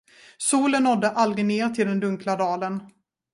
Solen nådde aldrig ner till den dunkla dalen.